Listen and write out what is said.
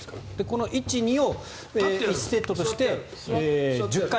この１、２を１セットとして１０回。